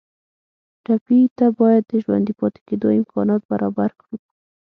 ټپي ته باید د ژوندي پاتې کېدو امکانات برابر کړو.